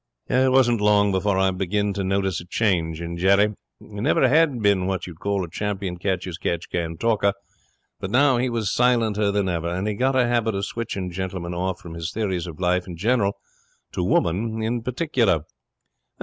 'It wasn't long before I begin to notice a change in Jerry. He never had been what you'd call a champion catch as catch can talker, but now he was silenter than ever. And he got a habit of switching Gentleman off from his theories on Life in general to Woman in particular.